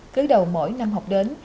cứ đầu mỗi năm học đến